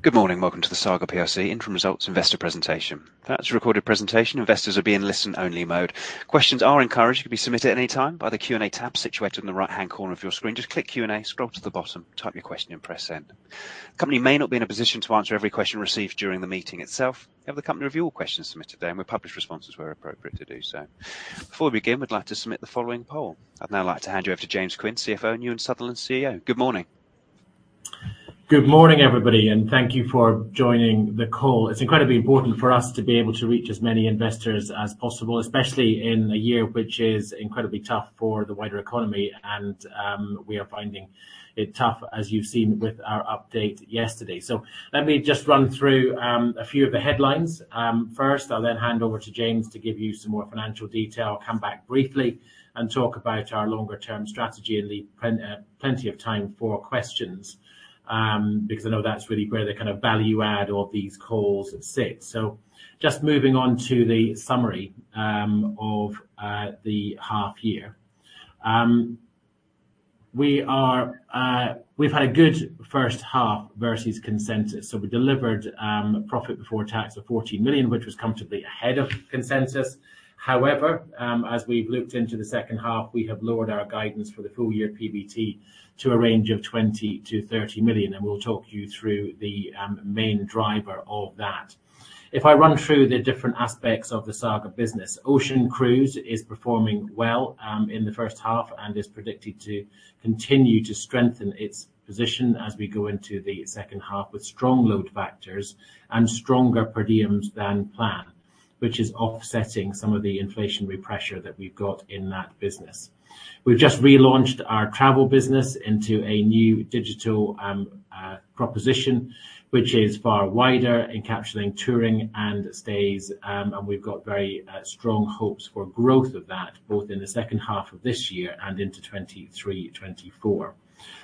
Good morning. Welcome to the Saga plc Interim Results Investor Presentation. That's a recorded presentation. Investors will be in listen-only mode. Questions are encouraged, could be submitted any time by the Q&A tab situated in the right-hand corner of your screen. Just click Q&A, scroll to the bottom, type your question, and press send. The company may not be in a position to answer every question received during the meeting itself. We have the company review all questions submitted there, and we publish responses where appropriate to do so. Before we begin, we'd like to submit the following poll. I'd now like to hand you over to James Quin, CFO, and Euan Sutherland, CEO. Good morning. Good morning, everybody, and thank you for joining the call. It's incredibly important for us to be able to reach as many investors as possible, especially in a year which is incredibly tough for the wider economy and we are finding it tough as you've seen with our update yesterday. Let me just run through a few of the headlines first. I'll then hand over to James to give you some more financial detail, come back briefly and talk about our longer-term strategy and leave plenty of time for questions because I know that's really where the kind of value add of these calls sits. Just moving on to the summary of the half year. We've had a good first half versus consensus. We delivered profit before tax of 40 million, which was comfortably ahead of consensus. However, as we've looked into the second half, we have lowered our guidance for the full year PBT to a range of 20 million-30 million, and we'll talk you through the main driver of that. If I run through the different aspects of the Saga business. Ocean Cruise is performing well in the first half and is predicted to continue to strengthen its position as we go into the second half with strong load factors and stronger per diems than plan, which is offsetting some of the inflationary pressure that we've got in that business. We've just relaunched our travel business into a new digital proposition, which is far wider encapsulating touring and stays. We've got very strong hopes for growth of that, both in the second half of this year and into 2023, 2024.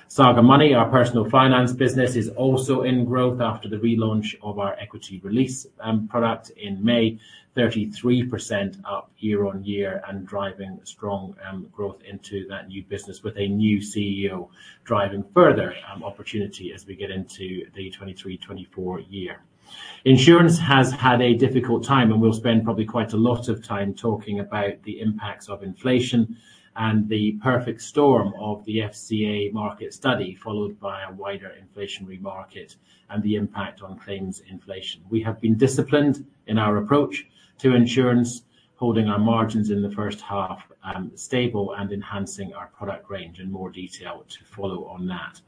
Saga Money, our personal finance business, is also in growth after the relaunch of our equity release product in May, 33% up year-on-year and driving strong growth into that new business with a new CEO driving further opportunity as we get into the 2023, 2024 year. Insurance has had a difficult time, and we'll spend probably quite a lot of time talking about the impacts of inflation and the perfect storm of the FCA market study, followed by a wider inflationary market and the impact on claims inflation. We have been disciplined in our approach to insurance, holding our margins in the first half stable and enhancing our product range in more detail to follow on that.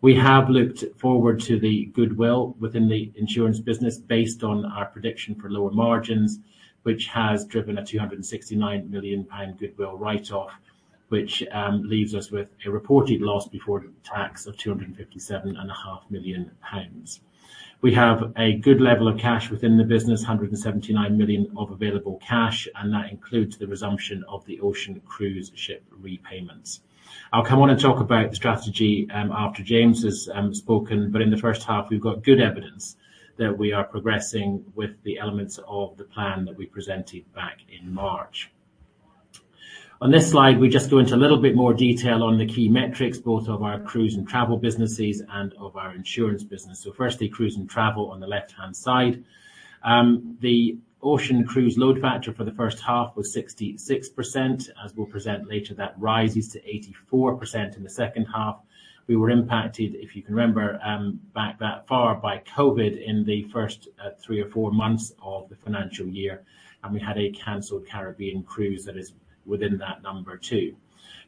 We have looked forward to the goodwill within the insurance business based on our prediction for lower margins, which has driven a 269 million pound goodwill write-off, which leaves us with a reported loss before tax of 257 and a half million pounds. We have a good level of cash within the business, 179 million of available cash, and that includes the resumption of the Ocean Cruise ship repayments. I'll come on and talk about the strategy after James has spoken. In the first half, we've got good evidence that we are progressing with the elements of the plan that we presented back in March. On this slide, we just go into a little bit more detail on the key metrics both of our cruise and travel businesses and of our insurance business. Firstly, cruise and travel on the left-hand side. The Ocean Cruise load factor for the first half was 66%. As we'll present later, that rises to 84% in the second half. We were impacted, if you can remember, back that far by COVID in the first three or four months of the financial year, and we had a canceled Caribbean cruise that is within that number too.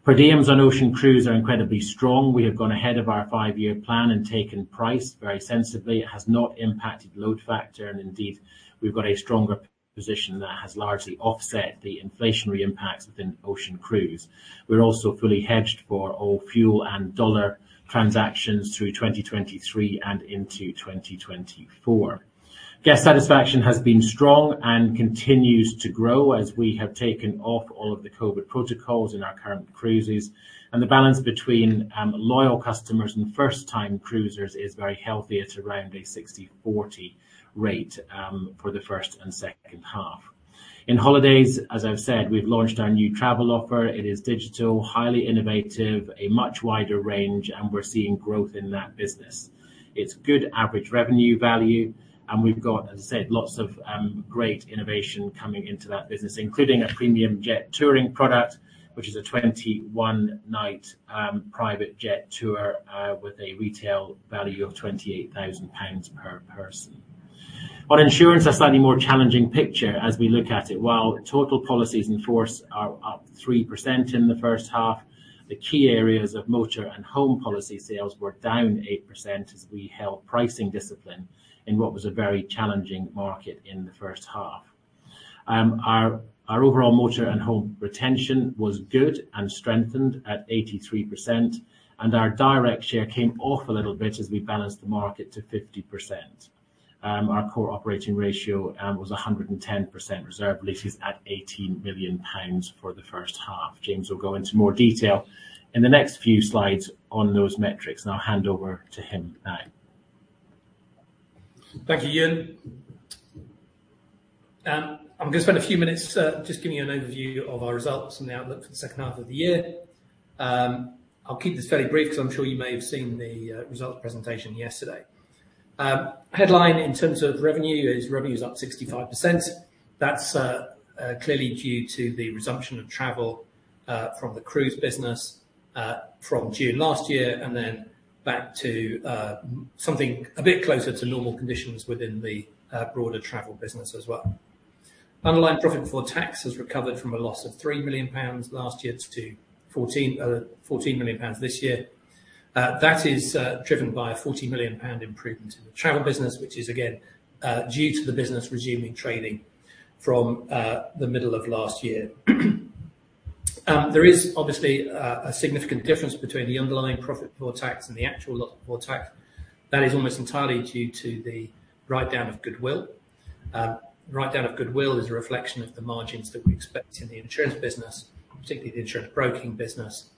Per diems on Ocean Cruise are incredibly strong. We have gone ahead of our five-year plan and taken price very sensibly. It has not impacted load factor, and indeed, we've got a stronger position that has largely offset the inflationary impacts within Ocean Cruise. We're also fully hedged for all fuel and dollar transactions through 2023 and into 2024. Guest satisfaction has been strong and continues to grow as we have taken off all of the COVID protocols in our current cruises. The balance between loyal customers and first-time cruisers is very healthy at around a 60-40 rate for the first and second half. In holidays, as I've said, we've launched our new travel offer. It is digital, highly innovative, a much wider range, and we're seeing growth in that business. It's good average revenue value, and we've got, as I said, lots of great innovation coming into that business, including a premium jet touring product, which is a 21-night private jet tour with a retail value of 28 thousand pounds per person. On insurance, a slightly more challenging picture as we look at it. While total policies in force are up 3% in the first half, the key areas of motor and home policy sales were down 8% as we held pricing discipline in what was a very challenging market in the first half. Our overall motor and home retention was good and strengthened at 83%, and our direct share came off a little bit as we balanced the market to 50%. Our core operating ratio was 110% reserve releases at 18 million pounds for the first half. James will go into more detail in the next few slides on those metrics, and I'll hand over to him now. Thank you, Euan. I'm gonna spend a few minutes just giving you an overview of our results and the outlook for the second half of the year. I'll keep this fairly brief 'cause I'm sure you may have seen the results presentation yesterday. Headline in terms of revenue is revenue is up 65%. That's clearly due to the resumption of travel from the cruise business from June last year, and then back to something a bit closer to normal conditions within the broader travel business as well. Underlying profit before tax has recovered from a loss of 3 million pounds last year to 14 million pounds this year. That is driven by a 40 million pound improvement in the travel business, which is again due to the business resuming trading from the middle of last year. There is obviously a significant difference between the underlying profit before tax and the actual loss before tax. That is almost entirely due to the write-down of goodwill. Write-down of goodwill is a reflection of the margins that we expect in the insurance business, particularly the insurance broking business,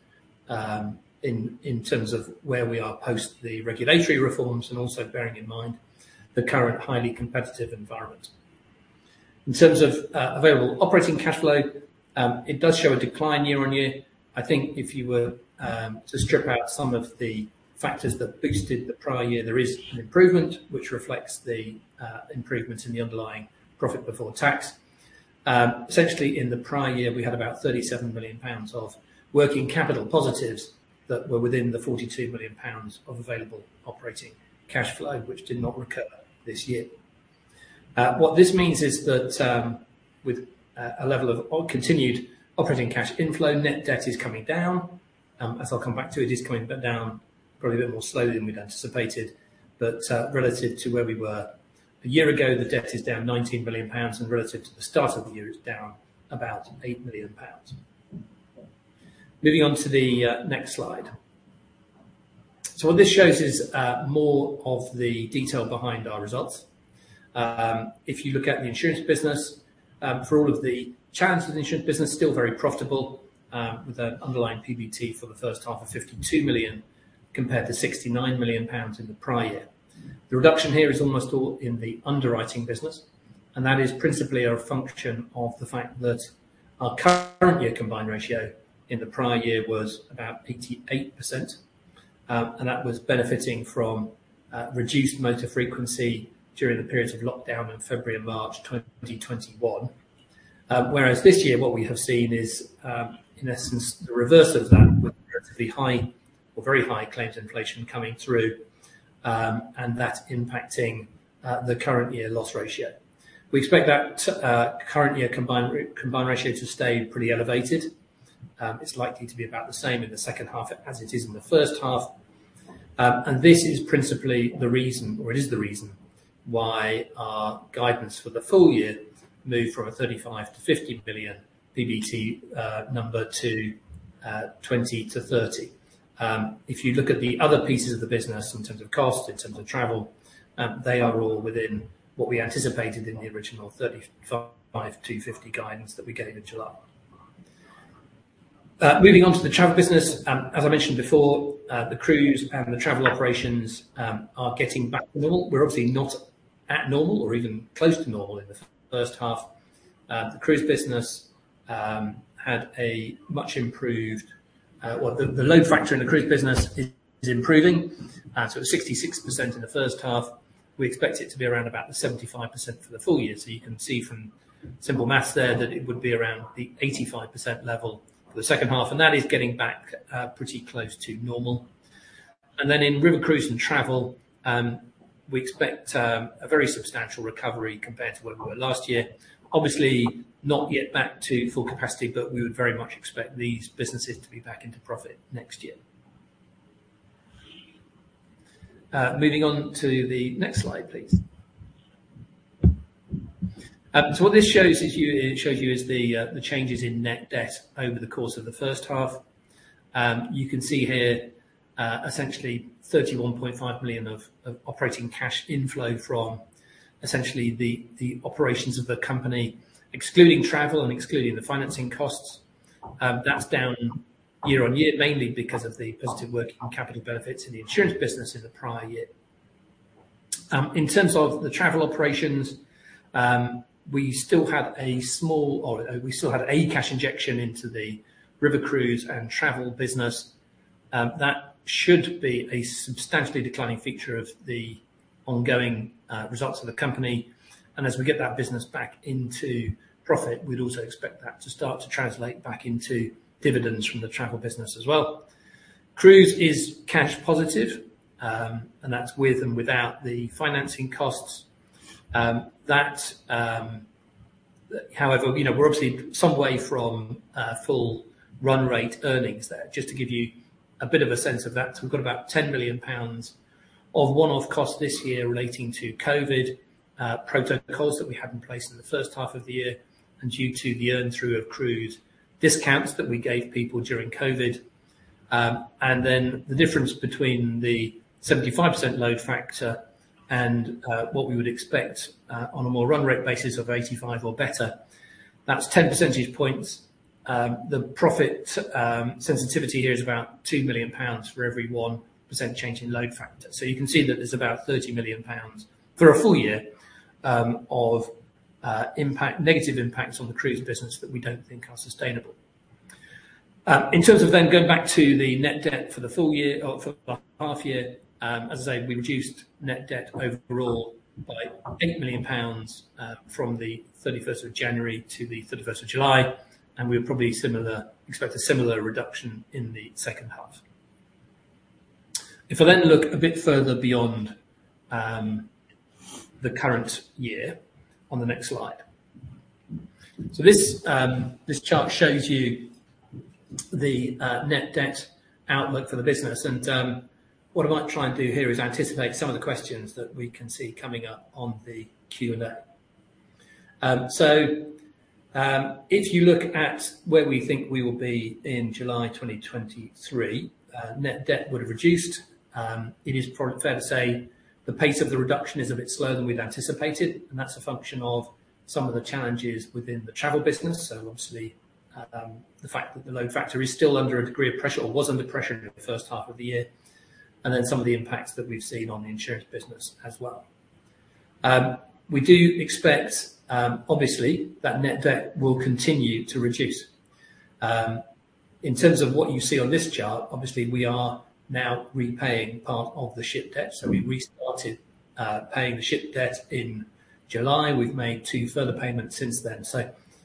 in terms of where we are post the regulatory reforms and also bearing in mind the current highly competitive environment. In terms of available operating cash flow, it does show a decline year-on-year. I think if you were to strip out some of the factors that boosted the prior year, there is an improvement which reflects the improvements in the underlying profit before tax. Essentially in the prior year, we had about 37 million pounds of working capital positives that were within the 42 million pounds of available operating cash flow, which did not recur this year. What this means is that with a level of continued operating cash inflow, net debt is coming down. As I'll come back to it is coming a bit down probably a bit more slowly than we'd anticipated. Relative to where we were a year ago, the debt is down 19 million pounds, and relative to the start of the year, it's down about 8 million pounds. Moving on to the next slide. What this shows is more of the detail behind our results. If you look at the insurance business, for all of the challenges in the insurance business, still very profitable, with an underlying PBT for the first half of 52 million compared to 69 million pounds in the prior year. The reduction here is almost all in the underwriting business, and that is principally a function of the fact that our current year combined ratio in the prior year was about 88%. That was benefiting from reduced motor frequency during the periods of lockdown in February and March 2021. Whereas this year what we have seen is, in essence, the reverse of that with relatively high or very high claims inflation coming through, and that impacting the current year loss ratio. We expect that current year combined ratio to stay pretty elevated. It's likely to be about the same in the second half as it is in the first half. This is principally the reason, or it is the reason, why our guidance for the full year moved from a 35 million-50 million PBT number to 20 million-30 million. If you look at the other pieces of the business in terms of cost, in terms of travel, they are all within what we anticipated in the original 35 million-50 million guidance that we gave in July. Moving on to the travel business. As I mentioned before, the cruise and the travel operations are getting back to normal. We're obviously not at normal or even close to normal in the first half. The load factor in the cruise business is improving. At 66% in the first half, we expect it to be around about the 75% for the full year. You can see from simple Maths there that it would be around the 85% level for the second half, and that is getting back pretty close to normal. In river cruise and travel, we expect a very substantial recovery compared to where we were last year. Obviously, not yet back to full capacity, but we would very much expect these businesses to be back into profit next year. Moving on to the next slide, please. What this shows is you... It shows you the changes in net debt over the course of the first half. You can see here, essentially 31.5 million of operating cash inflow from essentially the operations of the company, excluding travel and excluding the financing costs. That's down year-on-year, mainly because of the positive working capital benefits in the insurance business in the prior year. In terms of the travel operations, we still had a cash injection into the river cruise and travel business. That should be a substantially declining feature of the ongoing results of the company. As we get that business back into profit, we'd also expect that to start to translate back into dividends from the travel business as well. Cruise is cash positive, and that's with and without the financing costs. However, you know, we're obviously some way from full run rate earnings there. Just to give you a bit of a sense of that, we've got about 10 million pounds of one-off costs this year relating to COVID protocols that we had in place in the first half of the year and due to the earn through of cruise discounts that we gave people during COVID. And then the difference between the 75% load factor and what we would expect on a more run rate basis of 85% or better. That's 10 percentage points. The profit sensitivity here is about 2 million pounds for every 1% change in load factor. You can see that there's about 30 million pounds for a full year of negative impacts on the cruise business that we don't think are sustainable. In terms of then going back to the net debt for the full year or for the half year, as I say, we reduced net debt overall by 8 million pounds from the 31st of January to the 31st of July, and we expect a similar reduction in the second half. If I then look a bit further beyond the current year on the next slide. This chart shows you the net debt outlook for the business. What I might try and do here is anticipate some of the questions that we can see coming up on the Q&A. If you look at where we think we will be in July 2023, net debt would have reduced. It is probably fair to say the pace of the reduction is a bit slower than we'd anticipated, and that's a function of some of the challenges within the travel business. Obviously, the fact that the load factor is still under a degree of pressure or was under pressure in the first half of the year, and then some of the impacts that we've seen on the insurance business as well. We do expect, obviously, that net debt will continue to reduce. In terms of what you see on this chart, obviously, we are now repaying part of the ship debt. We've restarted paying the ship debt in July. We've made two further payments since then.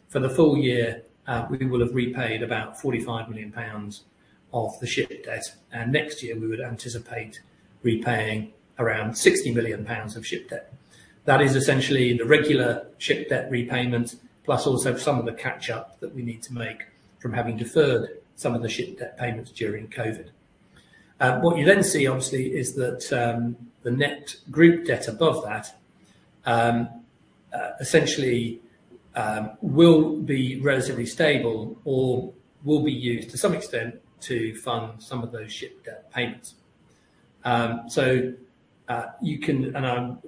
For the full year, we will have repaid about 45 million pounds of the ship debt. Next year, we would anticipate repaying around 60 million pounds of ship debt. That is essentially the regular ship debt repayment, plus also some of the catch-up that we need to make from having deferred some of the ship debt payments during COVID. What you then see, obviously, is that the net group debt above that essentially will be relatively stable or will be used to some extent to fund some of those ship debt payments. I'm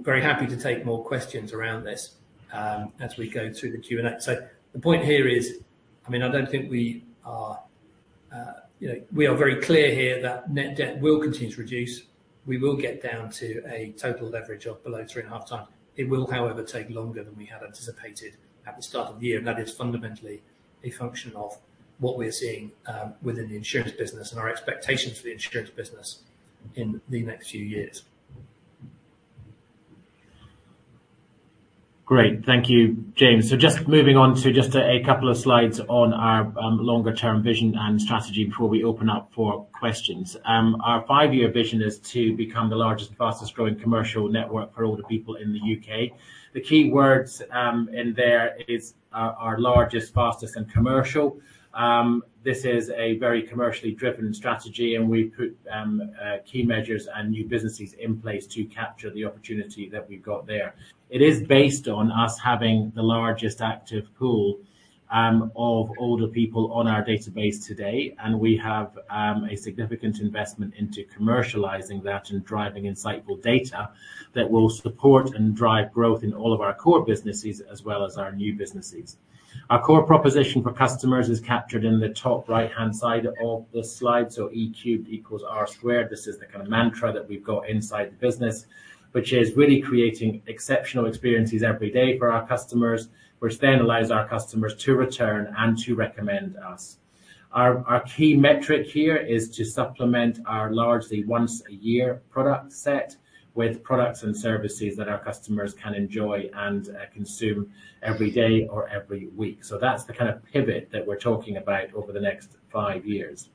very happy to take more questions around this as we go through the Q&A. The point here is, I mean, I don't think we are, you know, we are very clear here that net debt will continue to reduce. We will get down to a total leverage of below 3.5x. It will, however, take longer than we had anticipated at the start of the year, and that is fundamentally a function of what we're seeing within the insurance business and our expectations for the insurance business in the next few years. Great. Thank you, James. Just moving on to just a couple of slides on our longer-term vision and strategy before we open up for questions. Our five-year vision is to become the largest, fastest growing commercial network for older people in the UK. The key words in there is our largest, fastest, and commercial. This is a very commercially driven strategy, and we've put key measures and new businesses in place to capture the opportunity that we've got there. It is based on us having the largest active pool of older people on our database today, and we have a significant investment into commercializing that and driving insightful data that will support and drive growth in all of our core businesses as well as our new businesses. Our core proposition for customers is captured in the top right-hand side of the slide. E cubed equals R squared. This is the kind of mantra that we've got inside the business, which is really creating exceptional experiences every day for our customers, which then allows our customers to return and to recommend us. Our key metric here is to supplement our largely once a year product set with products and services that our customers can enjoy and consume every day or every week. That's the kind of pivot that we're talking about over the next five years.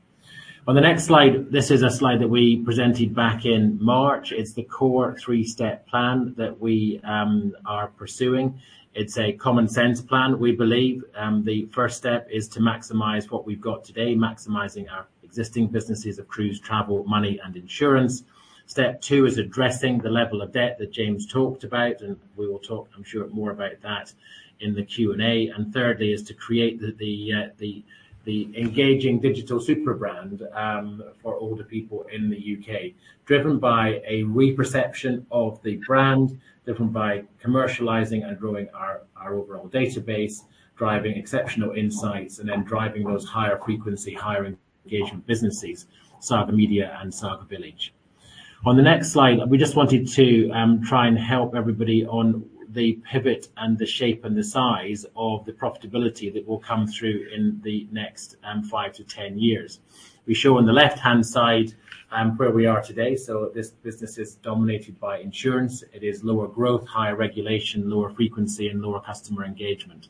On the next slide, this is a slide that we presented back in March. It's the core three step plan that we are pursuing. It's a common sense plan, we believe. The first step is to maximize what we've got today, maximizing our existing businesses of cruise, travel, money and insurance. Step two is addressing the level of debt that James talked about, and we will talk, I'm sure, more about that in the Q&A. Thirdly is to create the engaging digital super brand for older people in the UK, driven by a re-perception of the brand, driven by commercializing and growing our overall database, driving exceptional insights, and then driving those higher frequency, higher engagement businesses, Saga Media and Saga Insight. On the next slide, we just wanted to try and help everybody on the pivot and the shape and the size of the profitability that will come through in the next five to 10 years. We show on the left-hand side where we are today. This business is dominated by insurance. It is lower growth, higher regulation, lower frequency, and lower customer engagement.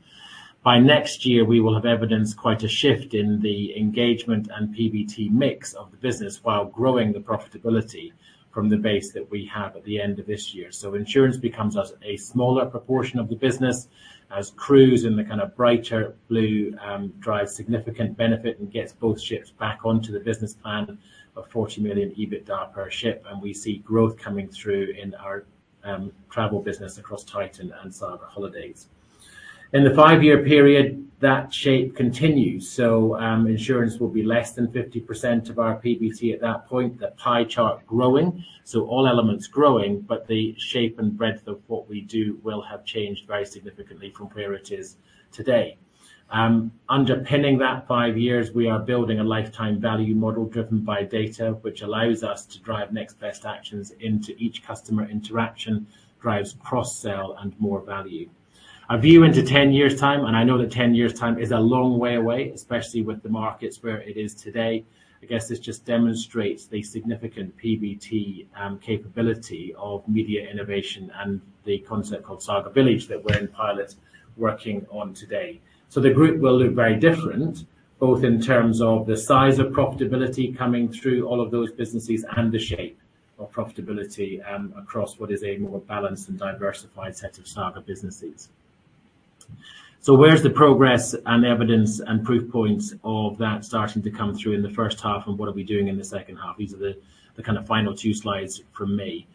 By next year, we will have evidenced quite a shift in the engagement and PBT mix of the business while growing the profitability from the base that we have at the end of this year. Insurance becomes a smaller proportion of the business as cruise in the kind of brighter blue drives significant benefit and gets both ships back onto the business plan of 40 million EBITDA per ship. We see growth coming through in our travel business across Titan and Saga Holidays. In the five-year period, that shape continues. Insurance will be less than 50% of our PBT at that point, that pie chart growing, so all elements growing, but the shape and breadth of what we do will have changed very significantly from where it is today. Underpinning that 5 years, we are building a lifetime value model driven by data, which allows us to drive next best actions into each customer interaction, drives cross-sell and more value. Our view into 10 years' time, and I know that 10 years' time is a long way away, especially with the markets where it is today. I guess this just demonstrates the significant PBT capability of media innovation and the concept called Saga Village that we're in pilot working on today. The group will look very different, both in terms of the size of profitability coming through all of those businesses and the shape of profitability, across what is a more balanced and diversified set of Saga businesses. Where's the progress and evidence and proof points of that starting to come through in the first half, and what are we doing in the second half? These are the kind of final two slides from me.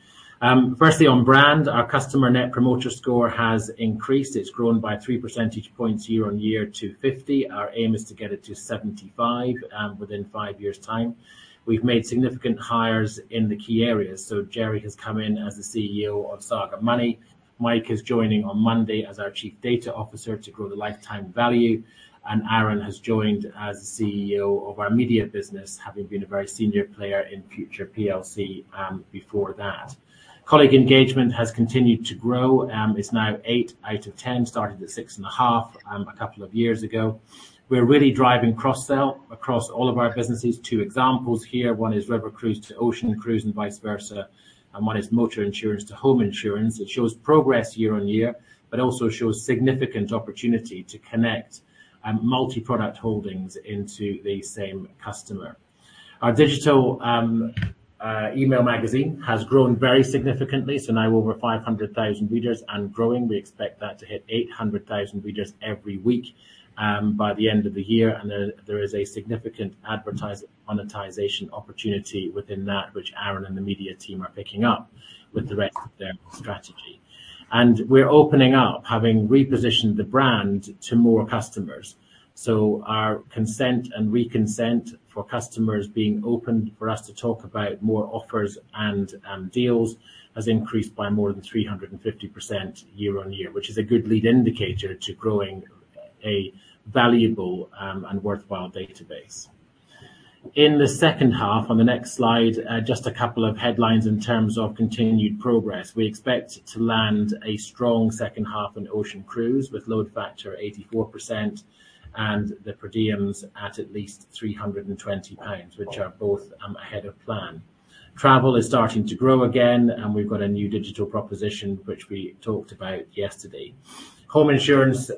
Firstly, on brand, our customer Net Promoter Score has increased. It's grown by three percentage points year-over-year to 50. Our aim is to get it to 75 within five years' time. We've made significant hires in the key areas. Jerry has come in as the CEO of Saga Money. Mike is joining on Monday as our Chief Data Officer to grow the lifetime value, and Aaron has joined as the CEO of our media business, having been a very senior player in Future plc, before that. Colleague engagement has continued to grow. It's now eight out of ten. Started at 6.5, a couple of years ago. We're really driving cross-sell across all of our businesses. Two examples here. One is river cruise to ocean cruise and vice versa, and one is motor insurance to home insurance. It shows progress year on year but also shows significant opportunity to connect multi-product holdings into the same customer. Our digital email magazine has grown very significantly, so now over 500,000 readers and growing. We expect that to hit 800,000 readers every week by the end of the year, and then there is a significant monetization opportunity within that which Aaron and the media team are picking up with the rest of their strategy. We're opening up, having repositioned the brand to more customers. Our consent and re-consent for customers being open for us to talk about more offers and deals has increased by more than 350% year-on-year, which is a good lead indicator to growing a valuable and worthwhile database. In the second half, on the next slide, just a couple of headlines in terms of continued progress. We expect to land a strong second half in ocean cruise with load factor 84% and the per diems at least 320 pounds, which are both ahead of plan. Travel is starting to grow again, and we've got a new digital proposition, which we talked about yesterday. Home insurance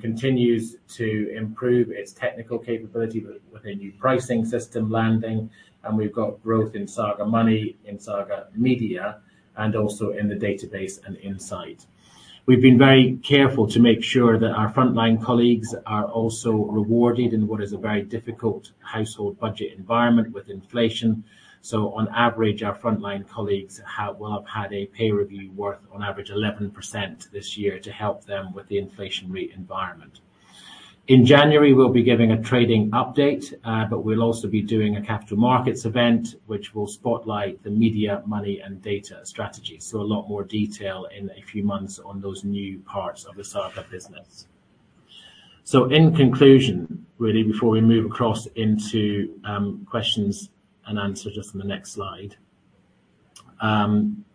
continues to improve its technical capability with a new pricing system landing, and we've got growth in Saga Money, in Saga Media, and also in Saga Insight. We've been very careful to make sure that our frontline colleagues are also rewarded in what is a very difficult household budget environment with inflation. On average, our frontline colleagues will have had a pay review worth on average 11% this year to help them with the inflationary environment. In January, we'll be giving a trading update, but we'll also be doing a capital markets event, which will spotlight the media, money, and data strategy. A lot more detail in a few months on those new parts of the Saga business. In conclusion, really, before we move across into questions and answers just on the next slide,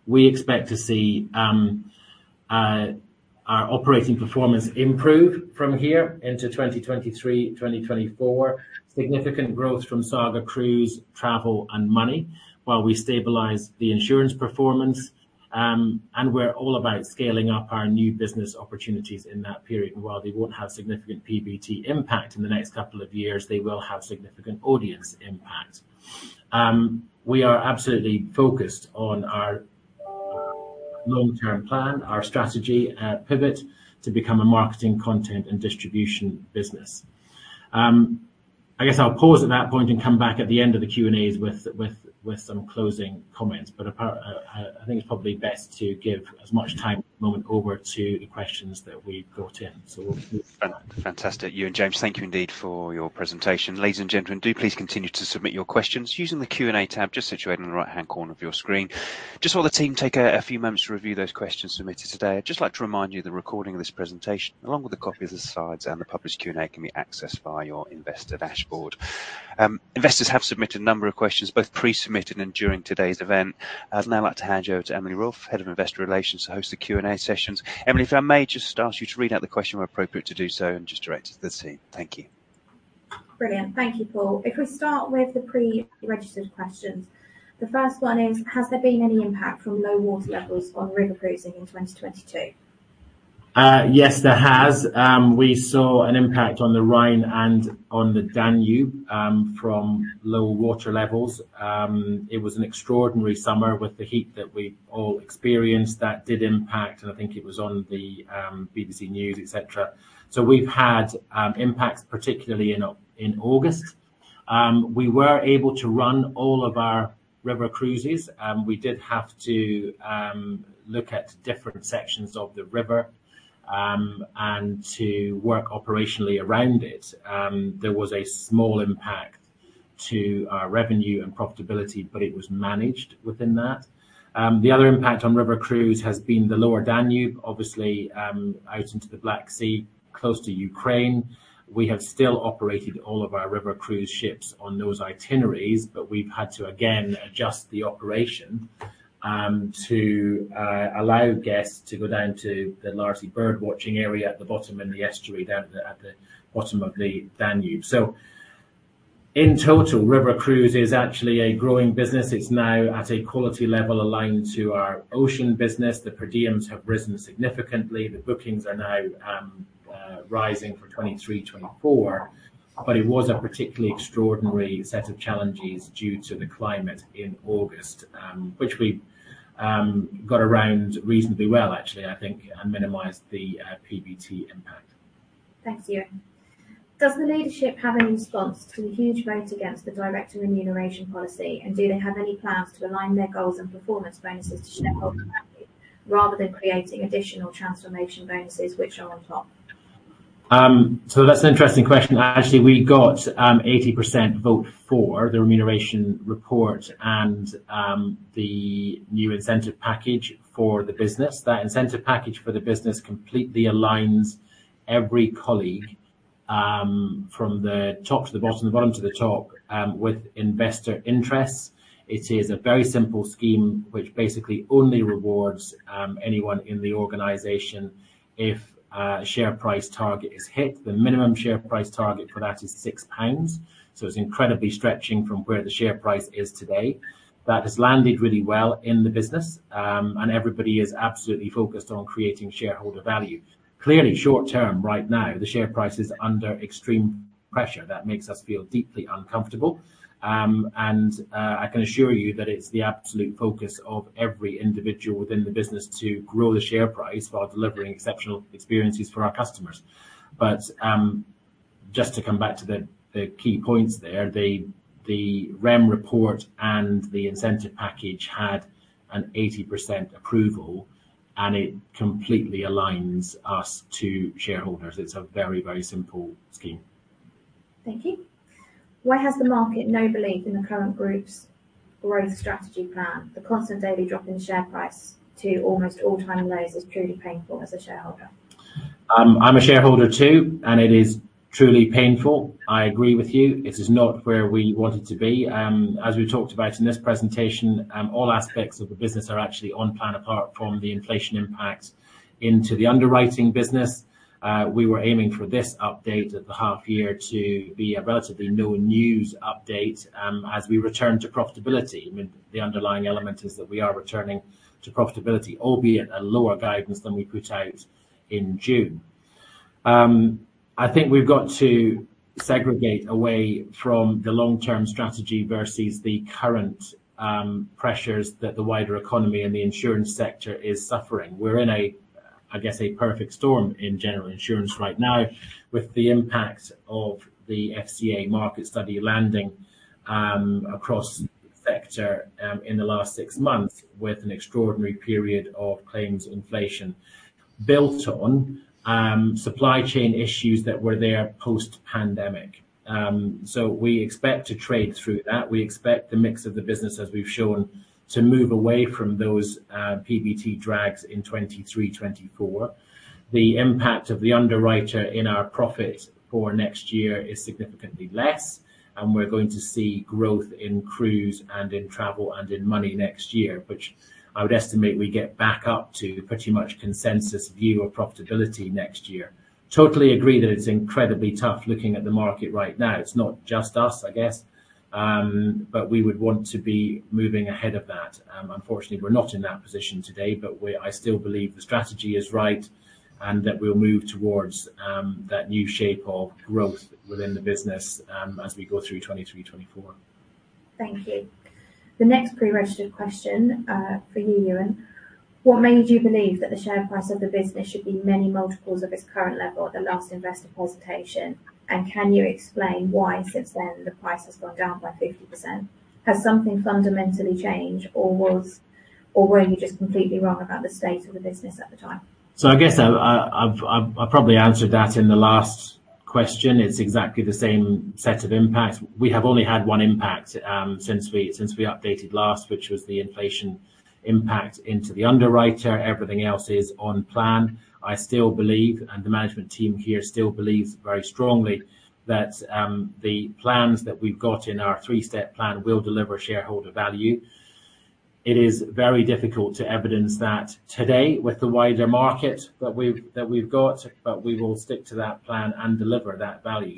we expect to see our operating performance improve from here into 2023, 2024. Significant growth from Saga Cruises, Travel, and Money while we stabilize the insurance performance. We're all about scaling up our new business opportunities in that period. While they won't have significant PBT impact in the next couple of years, they will have significant audience impact. We are absolutely focused on our long-term plan, our strategy, pivot to become a marketing content and distribution business. I guess I'll pause at that point and come back at the end of the Q&A's with some closing comments. I think it's probably best to give as much time at the moment over to the questions that we've got in. We'll move to that. Fantastic. Euan James, thank you indeed for your presentation. Ladies and gentlemen, do please continue to submit your questions using the Q&A tab just situated in the right-hand corner of your screen. Just while the team take a few moments to review those questions submitted today, I'd just like to remind you the recording of this presentation along with the copies of the slides and the published Q&A can be accessed via your investor dashboard. Investors have submitted a number of questions, both pre-submitted and during today's event. I'd now like to hand you over to Emily Roalfe, Head of Investor Relations, to host the Q&A sessions. Emily, if I may just ask you to read out the question where appropriate to do so and just direct the team. Thank you. Brilliant. Thank you, Paul S.. If we start with the pre-registered questions, the first one is: Has there been any impact from low water levels on river cruising in 2022? Yes, there has. We saw an impact on the Rhine and on the Danube from low water levels. It was an extraordinary summer with the heat that we all experienced. That did impact, and I think it was on the BBC News, et cetera. We've had impacts particularly in August. We were able to run all of our river cruises. We did have to look at different sections of the river and to work operationally around it. There was a small impact to our revenue and profitability, but it was managed within that. The other impact on river cruise has been the lower Danube, obviously, out into the Black Sea, close to Ukraine. We have still operated all of our river cruise ships on those itineraries, but we've had to, again, adjust the operation to allow guests to go down to the large bird watching area at the bottom and the estuary down at the bottom of the Danube. In total, river cruise is actually a growing business. It's now at a quality level aligned to our ocean business. The per diems have risen significantly. The bookings are now rising for 2023/2024, but it was a particularly extraordinary set of challenges due to the climate in August, which we got around reasonably well, actually, I think, and minimized the PBT impact. Thanks, Euan. Does the leadership have a response to the huge vote against the director remuneration policy, and do they have any plans to align their goals and performance bonuses to shareholder value rather than creating additional transformation bonuses which are on top? That's an interesting question. Actually, we got 80% vote for the remuneration report and the new incentive package for the business. That incentive package for the business completely aligns every colleague from the top to the bottom, the bottom to the top with investor interests. It is a very simple scheme which basically only rewards anyone in the organization if a share price target is hit. The minimum share price target for that is 6 pounds, so it's incredibly stretching from where the share price is today. That has landed really well in the business and everybody is absolutely focused on creating shareholder value. Clearly, short term, right now, the share price is under extreme pressure. That makes us feel deeply uncomfortable. I can assure you that it's the absolute focus of every individual within the business to grow the share price while delivering exceptional experiences for our customers. Just to come back to the key points there. The REM report and the incentive package had an 80% approval, and it completely aligns us to shareholders. It's a very simple scheme. Thank you. Why has the market no belief in the current group's growth strategy plan? The constant daily drop in share price to almost all-time lows is truly painful as a shareholder. I'm a shareholder too, and it is truly painful. I agree with you. It is not where we want it to be. As we talked about in this presentation, all aspects of the business are actually on plan, apart from the inflation impact into the underwriting business. We were aiming for this update at the half year to be a relatively no news update, as we return to profitability. I mean, the underlying element is that we are returning to profitability, albeit a lower guidance than we put out in June. I think we've got to segregate away from the long-term strategy versus the current, pressures that the wider economy and the insurance sector is suffering. We're in, I guess, a perfect storm in general insurance right now with the impact of the FCA market study landing across the sector in the last six months with an extraordinary period of claims inflation built on supply chain issues that were there post-pandemic. We expect to trade through that. We expect the mix of the business, as we've shown, to move away from those PBT drags in 2023/2024. The impact of the underwriting on our profit for next year is significantly less, and we're going to see growth in cruise and in travel and in money next year, which I would estimate we get back up to pretty much consensus view of profitability next year. Totally agree that it's incredibly tough looking at the market right now. It's not just us, I guess. We would want to be moving ahead of that. Unfortunately, we're not in that position today. I still believe the strategy is right and that we'll move towards that new shape of growth within the business as we go through 2023/2024. Thank you. The next pre-registered question for you, Euan. What made you believe that the share price of the business should be many multiples of its current level at the last investor presentation? And can you explain why since then the price has gone down by 50%? Has something fundamentally changed or were you just completely wrong about the state of the business at the time? I guess I've probably answered that in the last question. It's exactly the same set of impacts. We have only had one impact since we updated last, which was the inflation impact into the underwriter. Everything else is on plan. I still believe, and the management team here still believes very strongly that the plans that we've got in our three-step plan will deliver shareholder value. It is very difficult to evidence that today with the wider market that we've got, but we will stick to that plan and deliver that value.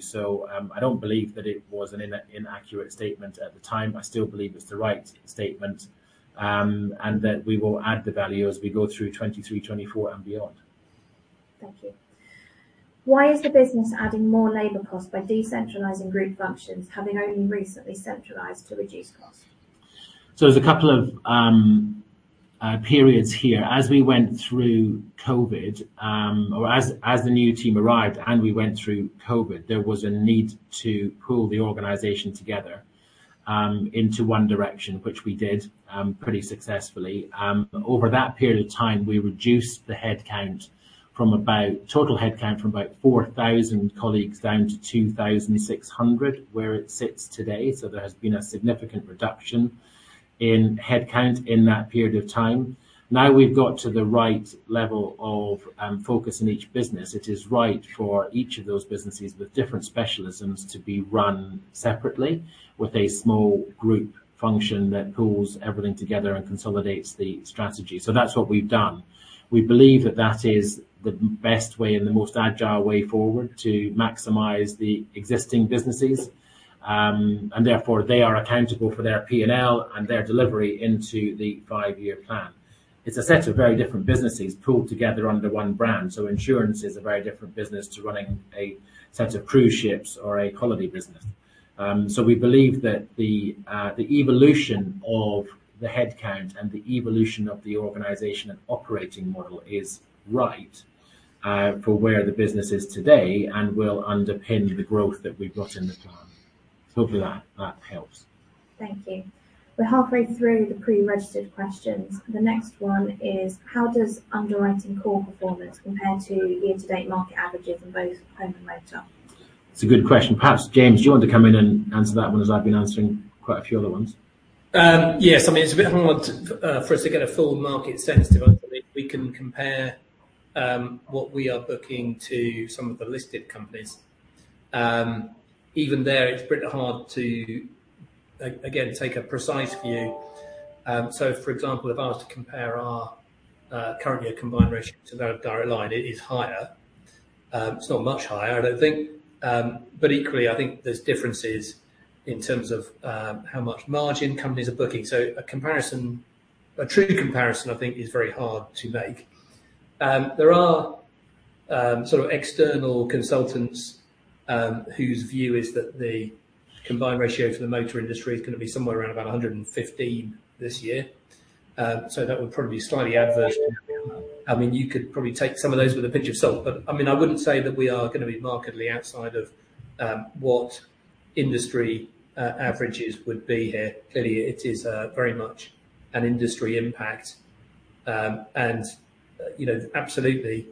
I don't believe that it was an inaccurate statement at the time. I still believe it's the right statement, and that we will add the value as we go through 2023, 2024 and beyond. Thank you. Why is the business adding more labor costs by decentralizing group functions having only recently centralized to reduce costs? There's a couple of periods here. As the new team arrived and we went through COVID, there was a need to pull the organization together into one direction, which we did pretty successfully. Over that period of time, we reduced the total headcount from about 4,000 colleagues down to 2,600, where it sits today. There has been a significant reduction in headcount in that period of time. Now we've got to the right level of focus in each business. It is right for each of those businesses with different specialisms to be run separately with a small group function that pulls everything together and consolidates the strategy. That's what we've done. We believe that is the best way and the most agile way forward to maximize the existing businesses, and therefore they are accountable for their P&L and their delivery into the five-year plan. It's a set of very different businesses pulled together under one brand. Insurance is a very different business to running a set of cruise ships or a holiday business. We believe that the evolution of the headcount and the evolution of the organization and operating model is right for where the business is today and will underpin the growth that we've got in the plan. Hopefully that helps. Thank you. We're halfway through the pre-registered questions. The next one is: How does underwriting core performance compare to year-to-date market averages in both home and motor? It's a good question. Perhaps, James, do you want to come in and answer that one as I've been answering quite a few other ones? Yes. I mean, it's a bit hard for us to get a full market sense of it. We can compare what we are booking to some of the listed companies. Even there, it's pretty hard to again take a precise view. For example, if asked to compare our current combined ratio to the Direct Line, it is higher. It's not much higher, I don't think. Equally, I think there's differences in terms of how much margin companies are booking. A comparison, a true comparison, I think is very hard to make. There are sort of external consultants whose view is that the combined ratio for the motor industry is gonna be somewhere around about 115 this year. That would probably be slightly adverse. I mean, you could probably take some of those with a pinch of salt, but I mean, I wouldn't say that we are gonna be markedly outside of what industry averages would be here. Clearly, it is very much an industry impact. You know, absolutely,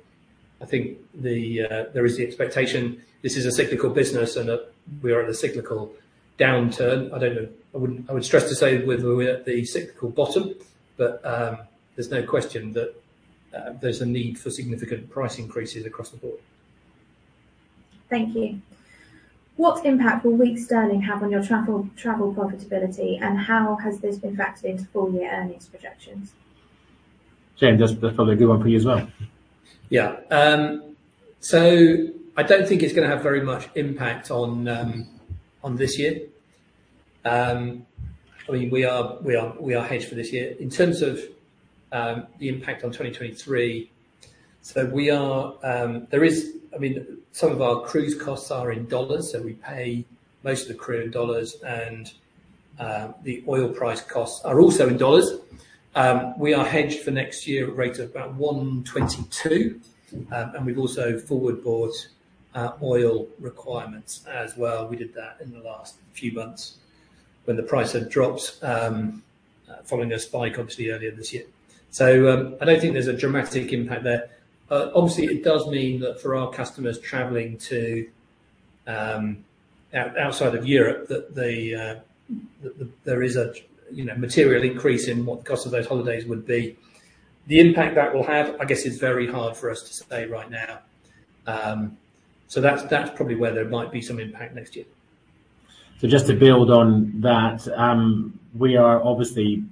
I think there is the expectation this is a cyclical business and that we are at a cyclical downturn. I don't know. I wouldn't venture to say whether we're at the cyclical bottom, but there's no question that there's a need for significant price increases across the board. Thank you. What impact will weak sterling have on your travel profitability, and how has this been factored into full year earnings projections? James, that's probably a good one for you as well. Yeah. I don't think it's gonna have very much impact on this year. I mean, we are hedged for this year. In terms of the impact on 2023, I mean some of our cruise costs are in dollars, so we pay most of the crew in dollars and the oil price costs are also in dollars. We are hedged for next year at a rate of about 1.22. And we've also forward-bought oil requirements as well. We did that in the last few months when the price had dropped following a spike obviously earlier this year. I don't think there's a dramatic impact there. Obviously, it does mean that for our customers traveling to outside of Europe, that there is a, you know, material increase in what the cost of those holidays would be. The impact that will have, I guess, is very hard for us to say right now. That's probably where there might be some impact next year. Just to build on that, we are obviously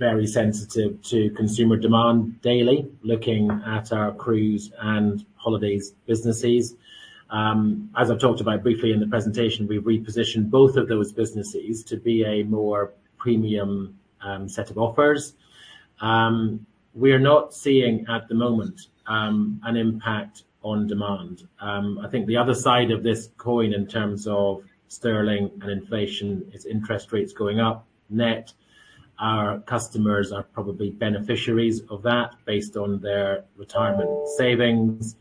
very sensitive to consumer demand daily, looking at our cruise and holidays businesses. As I've talked about briefly in the presentation, we repositioned both of those businesses to be a more premium set of offers. We are not seeing at the moment an impact on demand. I think the other side of this coin in terms of sterling and inflation is interest rates going up. Net, our customers are probably beneficiaries of that based on their retirement savings.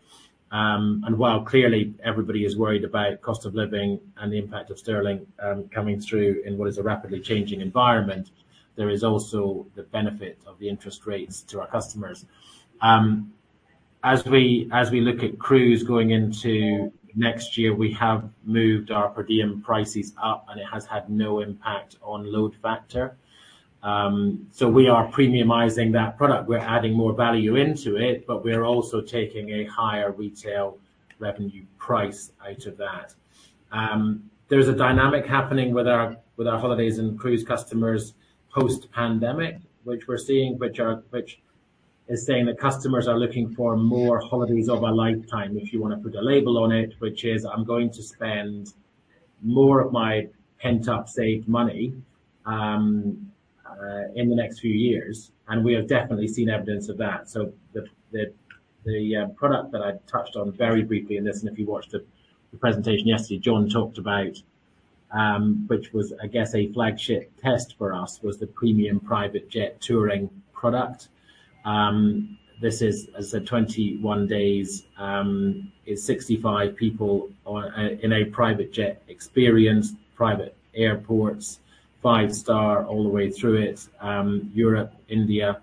While clearly everybody is worried about cost of living and the impact of sterling coming through in what is a rapidly changing environment, there is also the benefit of the interest rates to our customers. As we look at cruise going into next year, we have moved our per diem prices up, and it has had no impact on load factor. We are premiumizing that product. We're adding more value into it, but we're also taking a higher retail revenue price out of that. There is a dynamic happening with our holidays and cruise customers post-pandemic, which we're seeing, which is saying that customers are looking for more holidays of a lifetime, if you wanna put a label on it, which is, "I'm going to spend more of my pent-up saved money in the next few years." We have definitely seen evidence of that. The product that I touched on very briefly in this, and if you watched the presentation yesterday, John talked about, which was, I guess, a flagship test for us was the premium private jet touring product. This is, as I said, 21 days, is 65 people on a private jet experience, private airports, five-star all the way through it. Europe, India,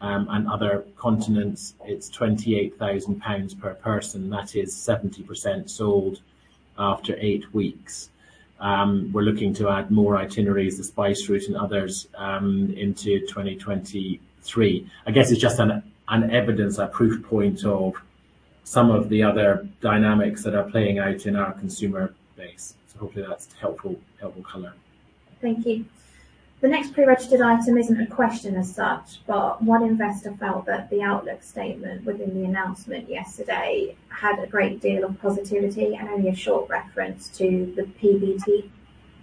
and other continents. It's 28,000 pounds per person. That is 70% sold after eight weeks. We're looking to add more itineraries, the Spice Route and others, into 2023. I guess it's just an evidence, a proof point of some of the other dynamics that are playing out in our consumer base. Hopefully that's helpful color. Thank you. The next pre-registered item isn't a question as such, but one investor felt that the outlook statement within the announcement yesterday had a great deal of positivity and only a short reference to the PBT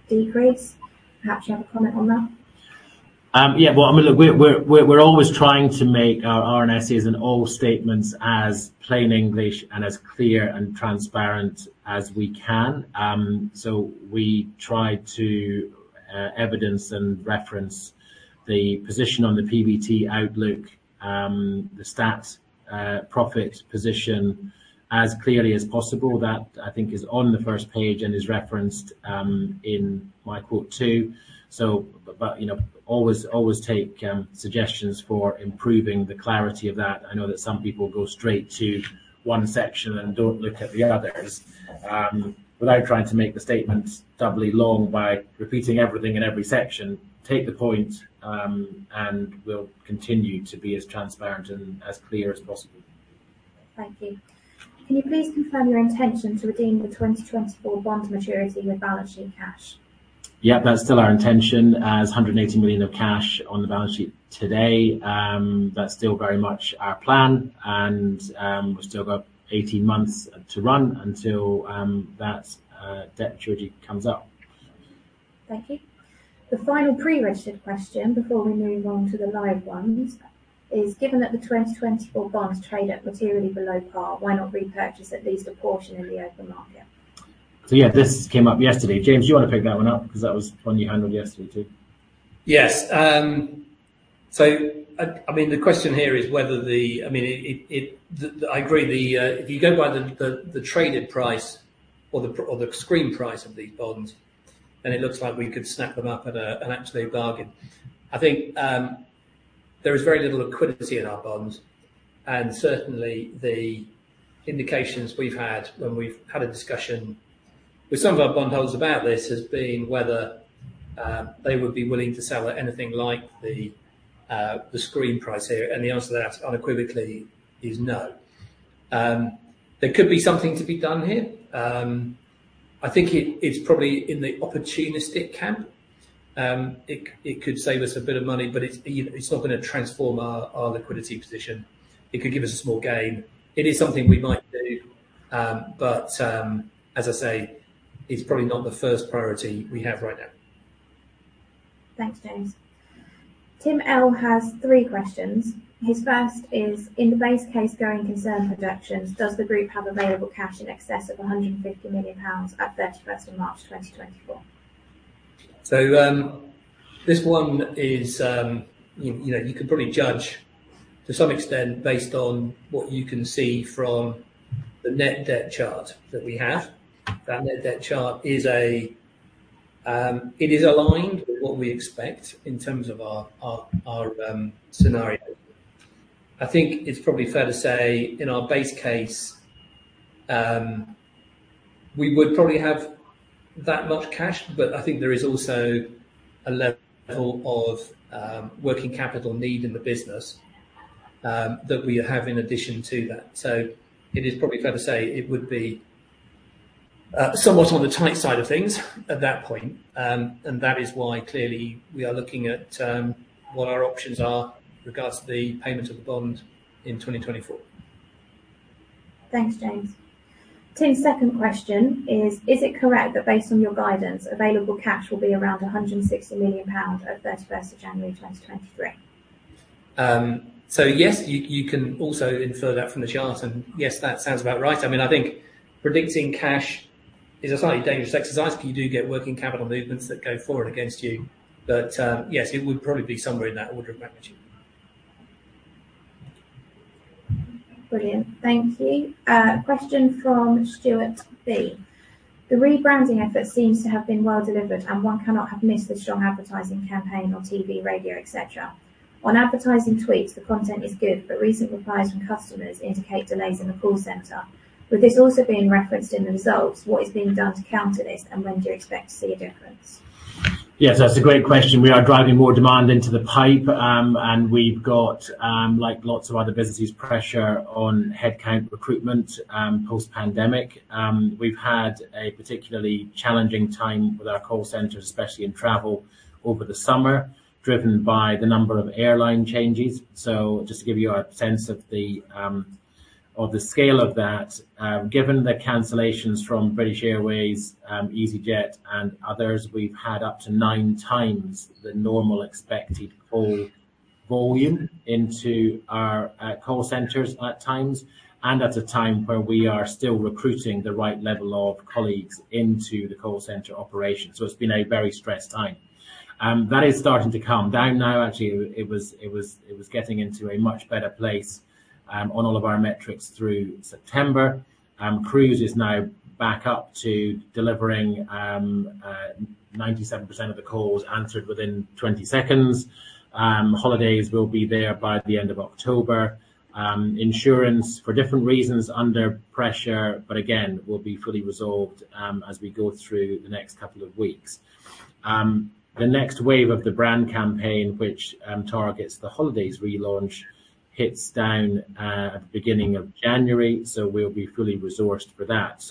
decrease. Perhaps you have a comment on that? Yeah. Well, I mean, look, we're always trying to make our RNS announcements and all statements as plain English and as clear and transparent as we can. We try to evidence and reference the position on the PBT outlook, the stats, profit position as clearly as possible. That I think is on the first page and is referenced in my quote too. You know, always take suggestions for improving the clarity of that. I know that some people go straight to one section and don't look at the others. Without trying to make the statement doubly long by repeating everything in every section, take the point, and we'll continue to be as transparent and as clear as possible. Thank you. Can you please confirm your intention to redeem the 2024 bond maturity with balance sheet cash? Yeah. That's still our intention. We have 180 million of cash on the balance sheet today. That's still very much our plan and we've still got 18 months to run until that debt maturity comes up. Thank you. The final pre-registered question before we move on to the live ones is: Given that the 2024 bonds trade at materially below par, why not repurchase at least a portion in the open market? Yeah, this came up yesterday. James, do you wanna pick that one up? 'Cause that was one you handled yesterday too. Yes. I mean the question here is whether I agree if you go by the traded price or the screen price of these bonds, then it looks like we could snap them up at an absolute bargain. I think there is very little liquidity in our bonds, and certainly the indications we've had when we've had a discussion with some of our bondholders about this has been whether they would be willing to sell at anything like the screen price here. The answer to that unequivocally is no. There could be something to be done here. I think it's probably in the opportunistic camp. It could save us a bit of money, but it's, you know, it's not gonna transform our liquidity position. It could give us a small gain. It is something we might do, but, as I say, it's probably not the first priority we have right now. Thanks, James. Tim L. has three questions. His first is: In the base case going concern projections, does the group have available cash in excess of 150 million pounds at thirty-first of March 2024? This one is, you know, you can probably judge to some extent based on what you can see from the net debt chart that we have. That net debt chart is aligned with what we expect in terms of our scenario. I think it's probably fair to say in our base case, we would probably have that much cash, but I think there is also a level of working capital need in the business that we have in addition to that. It is probably fair to say it would be somewhat on the tight side of things at that point. That is why clearly we are looking at what our options are regards to the payment of the bond in 2024. Thanks, James. Tim's second question is: Is it correct that based on your guidance, available cash will be around 160 million pounds at 31st of January 2023? Yes, you can also infer that from the chart, and yes, that sounds about right. I mean, I think predicting cash is a slightly dangerous exercise 'cause you do get working capital movements that go forward against you. Yes, it would probably be somewhere in that order of magnitude. Brilliant. Thank you. Question from Stuart B.: The rebranding effort seems to have been well delivered, and one cannot have missed the strong advertising campaign on TV, radio, et cetera. On advertising tweets, the content is good, but recent replies from customers indicate delays in the call center. With this also being referenced in the results, what is being done to counter this, and when do you expect to see a difference? Yes, that's a great question. We are driving more demand into the pipe, and we've got, like lots of other businesses, pressure on headcount recruitment, post-pandemic. We've had a particularly challenging time with our call center, especially in travel over the summer, driven by the number of airline changes. Just to give you a sense of the scale of that, given the cancellations from British Airways, easyJet and others, we've had up to nine times the normal expected call volume into our call centers at times and at a time where we are still recruiting the right level of colleagues into the call center operation. It's been a very stressed time. That is starting to calm down now. Actually, it was getting into a much better place on all of our metrics through September. Cruise is now back up to delivering 97% of the calls answered within 20 seconds. Holidays will be there by the end of October. Insurance for different reasons, under pressure, but again, will be fully resolved as we go through the next couple of weeks. The next wave of the brand campaign, which targets the holidays relaunch, hits down at the beginning of January, so we'll be fully resourced for that.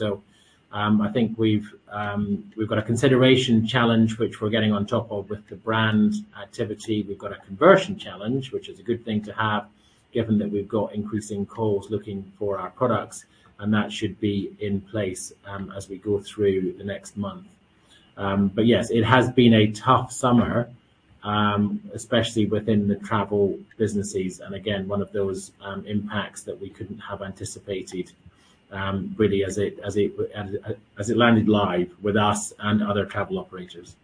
I think we've got a consideration challenge, which we're getting on top of with the brand activity. We've got a conversion challenge, which is a good thing to have given that we've got increasing calls looking for our products, and that should be in place as we go through the next month. Yes, it has been a tough summer, especially within the travel businesses, and again, one of those impacts that we couldn't have anticipated, really as it landed live with us and other travel operators.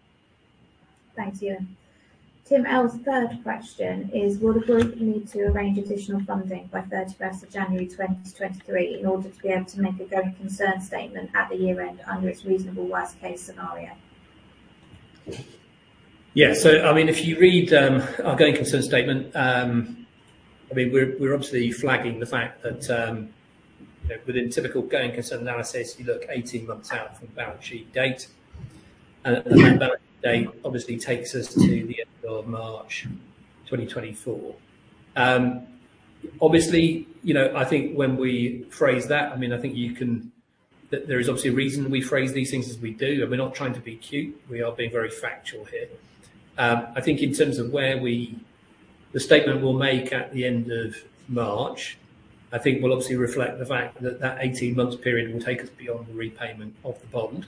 Thanks, Euan. Tim L.'s third question is: Will the group need to arrange additional funding by 31st of January 2023 in order to be able to make a going concern statement at the year-end under its reasonable worst-case scenario? Yeah. I mean, if you read our going concern statement, I mean, we're obviously flagging the fact that within typical going concern analysis, you look 18 months out from balance sheet date. That balance sheet date obviously takes us to the end of March 2024. Obviously, you know, I think when we phrase that, I mean. There is obviously a reason we phrase these things as we do, and we're not trying to be cute. We are being very factual here. The statement we'll make at the end of March, I think will obviously reflect the fact that that 18 months period will take us beyond the repayment of the bond.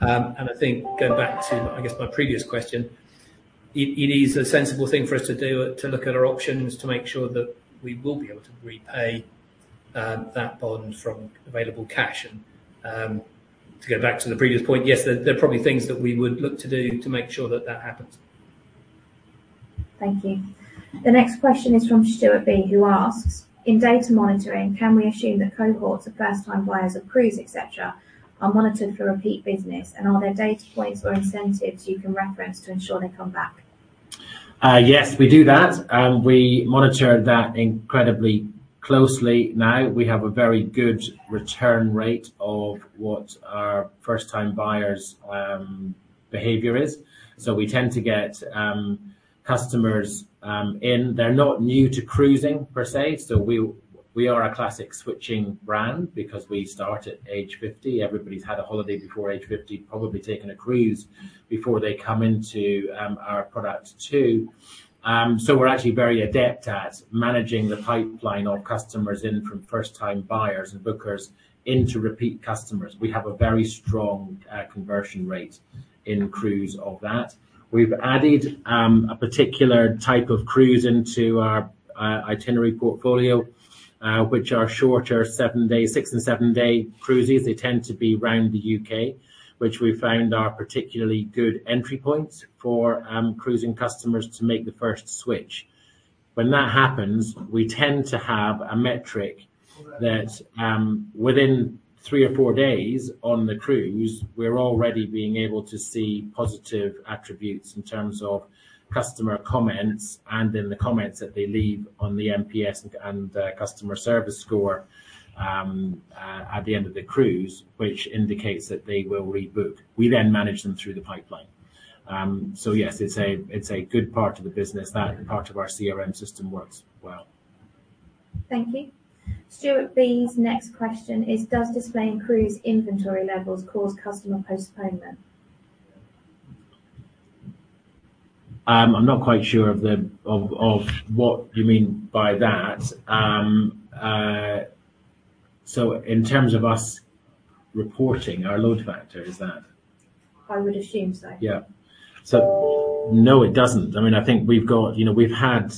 I think going back to, I guess, my previous question, it is a sensible thing for us to do to look at our options to make sure that we will be able to repay that bond from available cash. To go back to the previous point, yes, there are probably things that we would look to do to make sure that that happens. Thank you. The next question is from Stuart B. who asks: In data monitoring, can we assume that cohorts of first-time buyers of cruise, et cetera, are monitored for repeat business? And are there data points or incentives you can reference to ensure they come back? Yes, we do that. We monitor that incredibly closely now. We have a very good return rate of what our first-time buyers' behavior is. We tend to get customers in. They're not new to cruising per se. We are a classic switching brand because we start at age 50. Everybody's had a holiday before age 50, probably taken a cruise before they come into our product too. We're actually very adept at managing the pipeline of customers in from first-time buyers and bookers into repeat customers. We have a very strong conversion rate in cruise of that. We've added a particular type of cruise into our itinerary portfolio, which are shorter seven day, six and seven day cruises. They tend to be around the UK, which we found are particularly good entry points for cruising customers to make the first switch. When that happens, we tend to have a metric that within three or four days on the cruise, we're already being able to see positive attributes in terms of customer comments and in the comments that they leave on the NPS and customer service score at the end of the cruise, which indicates that they will rebook. We then manage them through the pipeline. Yes, it's a good part of the business. That part of our CRM system works well. Thank you. Stuart B.'s next question is: Does displaying cruise inventory levels cause customer postponement? I'm not quite sure of what you mean by that. In terms of us reporting our load factor, is that? I would assume so. Yeah. No, it doesn't. I mean, I think we've got. You know, we've had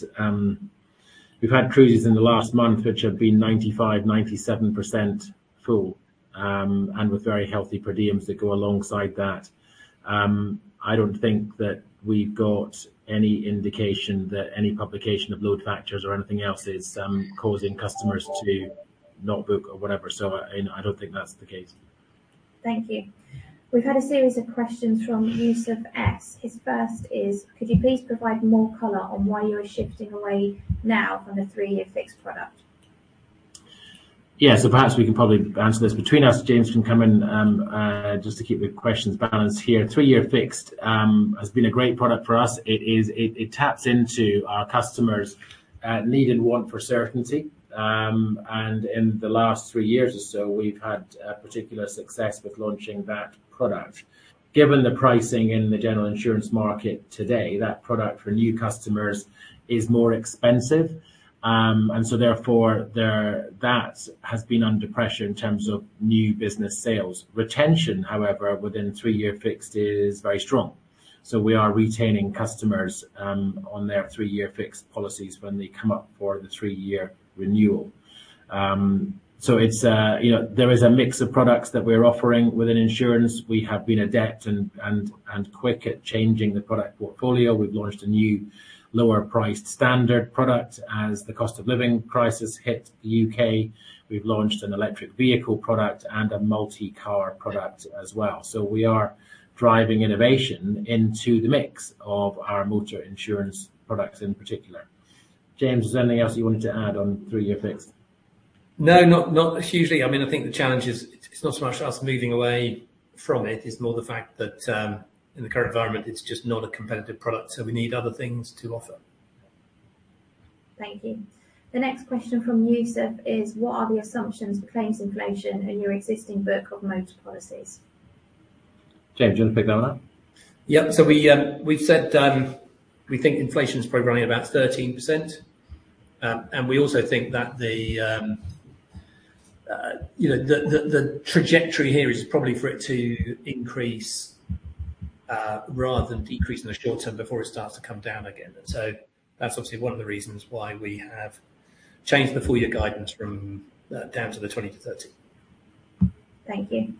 cruises in the last month which have been 95%-97% full, and with very healthy per diems that go alongside that. I don't think that we've got any indication that any publication of load factors or anything else is causing customers to not book or whatever. I don't think that's the case. Thank you. We've had a series of questions from Yusuf S. His first is: Could you please provide more color on why you are shifting away now from the three-year fixed-price product? Yeah. Perhaps we can probably answer this between us. James can come in, just to keep the questions balanced here. Three-year fixed-price has been a great product for us. It taps into our customers' need and want for certainty. In the last three years or so, we've had particular success with launching that product. Given the pricing in the general insurance market today, that product for new customers is more expensive, and so that has been under pressure in terms of new business sales. Retention, however, within three-year fixed-price is very strong. We are retaining customers on their three-year fixed-price policies when they come up for the three-year renewal. It's, you know, there is a mix of products that we're offering within insurance. We have been adept and quick at changing the product portfolio. We've launched a new lower-priced standard product as the cost of living crisis hit the UK. We've launched an electric vehicle product and a multi-car product as well. We are driving innovation into the mix of our motor insurance products in particular. James, is there anything else you wanted to add on three-year fixed-price? No, not hugely. I mean, I think the challenge is it's not so much us moving away from it's more the fact that, in the current environment it's just not a competitive product, so we need other things to offer. Thank you. The next question from Yusef S. is: What are the assumptions for claims inflation in your existing book of motor policies? James, do you want to pick that one up? Yep. We've said we think inflation's probably running about 13%. We also think that the you know the trajectory here is probably for it to increase rather than decrease in the short term before it starts to come down again. That's obviously one of the reasons why we have changed the full year guidance from down to the 20-30. Thank you.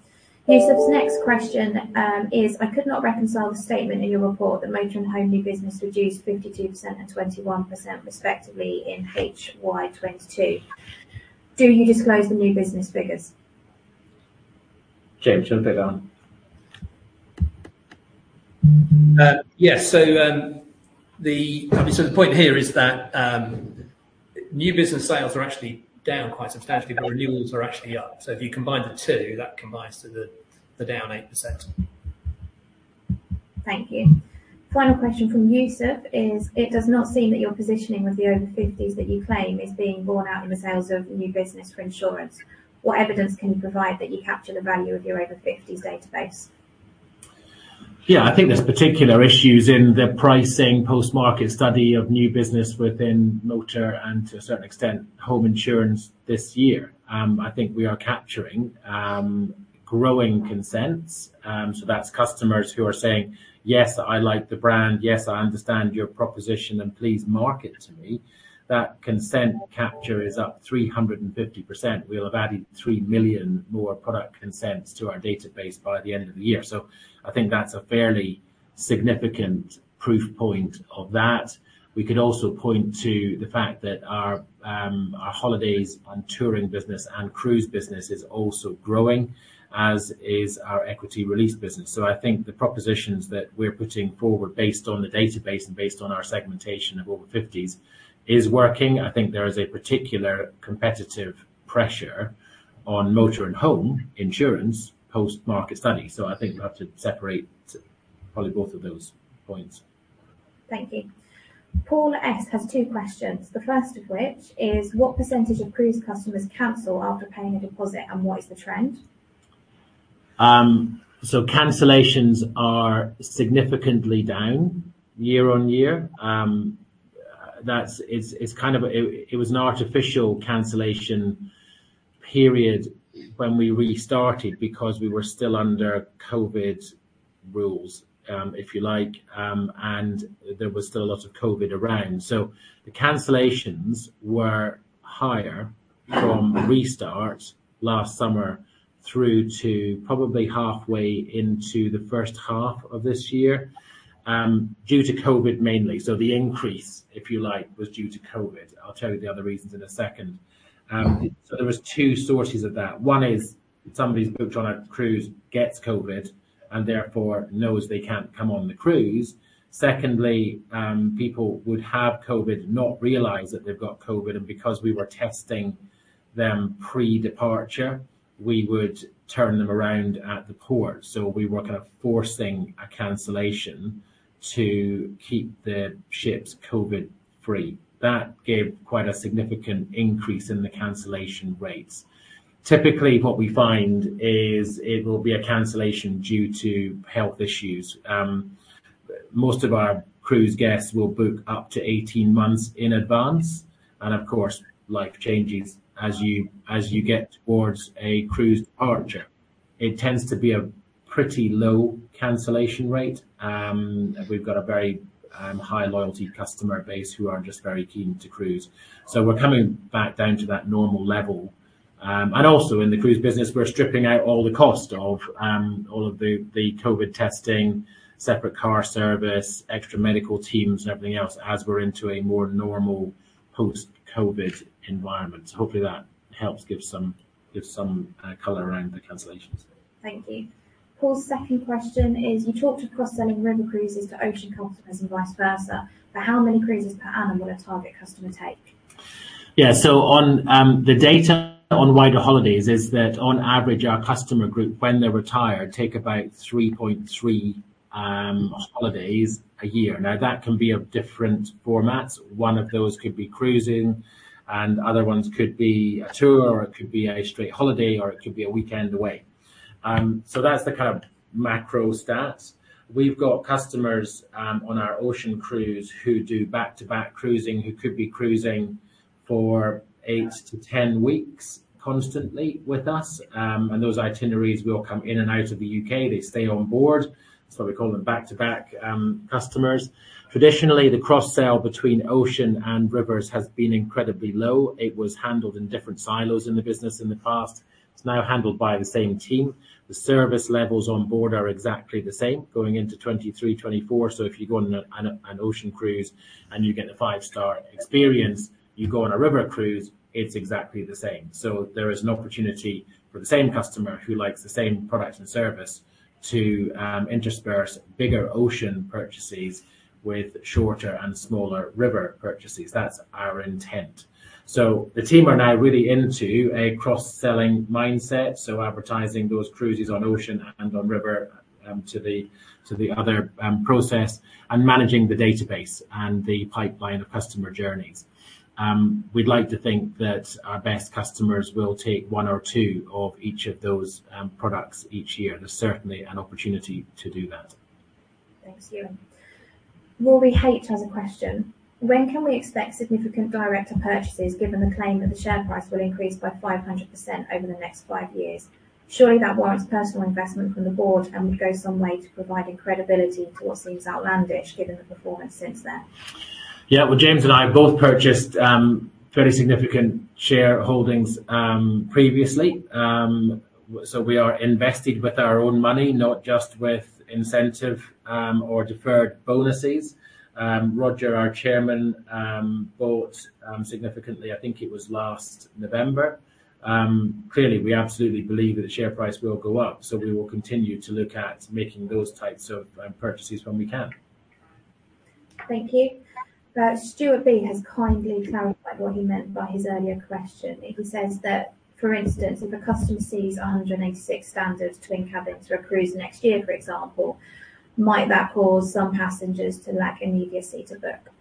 Yusuf's next question is: I could not reconcile the statement in your report that motor and home new business reduced 52% and 21% respectively in HY 2022. Do you disclose the new business figures? James, do you want to pick that one? Yes. Obviously, the point here is that new business sales are actually down quite substantially, but renewals are actually up. If you combine the two, that combines to the down 8%. Thank you. Final question from Yusuf S. is: It does not seem that your positioning with the over fifties that you claim is being borne out in the sales of new business for insurance. What evidence can you provide that you capture the value of your over fifties database? Yeah. I think there's particular issues in the pricing post-market study of new business within motor and to a certain extent home insurance this year. I think we are capturing growing consents. That's customers who are saying, "Yes, I like the brand. Yes, I understand your proposition, and please market to me." That consent capture is up 350%. We'll have added 3 million more product consents to our database by the end of the year. I think that's a fairly significant proof point of that. We could also point to the fact that our holidays and touring business and cruise business is also growing, as is our equity release business. I think the propositions that we're putting forward based on the database and based on our segmentation of over fifties is working. I think there is a particular competitive pressure on motor and home insurance post-market study. I think we'll have to separate probably both of those points. Thank you. Paul S. has two questions. The first of which is, what percentage of cruise customers cancel after paying a deposit, and what is the trend? Cancellations are significantly down year on year. It was an artificial cancellation period when we really started because we were still under COVID rules, if you like, and there was still a lot of COVID around. The cancellations were higher from restart last summer through to probably halfway into the first half of this year, due to COVID mainly. The increase, if you like, was due to COVID. I'll tell you the other reasons in a second. There was two sources of that. One is somebody's booked on a cruise, gets COVID, and therefore knows they can't come on the cruise. Secondly, people would have COVID, not realize that they've got COVID, and because we were testing them pre-departure, we would turn them around at the port. We were kind of forcing a cancellation to keep the ships COVID-free. That gave quite a significant increase in the cancellation rates. Typically, what we find is it will be a cancellation due to health issues. Most of our cruise guests will book up to 18 months in advance, and of course, life changes as you get towards a cruise departure. It tends to be a pretty low cancellation rate. We've got a very high loyalty customer base who are just very keen to cruise. We're coming back down to that normal level. In the cruise business, we're stripping out all the cost of all of the COVID testing, separate car service, extra medical teams, and everything else as we're into a more normal post-COVID environment. Hopefully that helps give some color around the cancellations. Thank you. Paul's second question is: You talked of cross-selling river cruises to ocean customers and vice versa. How many cruises per annum will a target customer take? Yeah. On the data on wider holidays is that on average, our customer group, when they're retired, take about 3.3 holidays a year. Now, that can be of different formats. One of those could be cruising, and other ones could be a tour, or it could be a straight holiday, or it could be a weekend away. That's the kind of macro stats. We've got customers on our ocean cruise who do back-to-back cruising, who could be cruising for 8-10 weeks constantly with us. And those itineraries will come in and out of the U.K. They stay on board, so we call them back-to-back customers. Traditionally, the cross-sale between ocean and rivers has been incredibly low. It was handled in different silos in the business in the past. It's now handled by the same team. The service levels on board are exactly the same going into 2023, 2024. If you go on an Ocean Cruise and you get a five-star experience, you go on a River Cruise, it's exactly the same. There is an opportunity for the same customer who likes the same product and service to intersperse bigger Ocean Cruise purchases with shorter and smaller River Cruise purchases. That's our intent. The team are now really into a cross-selling mindset, so advertising those cruises on Ocean and on River to the other process and managing the database and the pipeline of customer journeys. We'd like to think that our best customers will take one or two of each of those products each year. There's certainly an opportunity to do that. Thanks, Euan. Rory H has a question: When can we expect significant director purchases given the claim that the share price will increase by 500% over the next five years? Surely that warrants personal investment from the board and would go some way to providing credibility to what seems outlandish given the performance since then. Yeah. Well, James and I both purchased very significant shareholdings previously. We are invested with our own money, not just with incentive or deferred bonuses. Roger, our Chairman, bought significantly, I think it was last November. Clearly, we absolutely believe that the share price will go up, so we will continue to look at making those types of purchases when we can. Thank you. Stuart B has kindly clarified what he meant by his earlier question. He says that, for instance, if a customer sees 186 standard twin cabins for a cruise next year, for example, might that cause some passengers to lack immediacy to book?